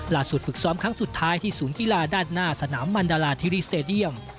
ฝึกซ้อมครั้งสุดท้ายที่ศูนย์กีฬาด้านหน้าสนามมันดาราธิรีสเตดียม